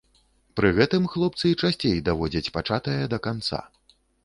Пры гэтым хлопцы часцей даводзяць пачатае да канца.